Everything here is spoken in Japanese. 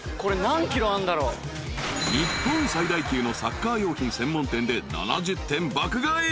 ［日本最大級のサッカー用品専門店で７０点爆買い。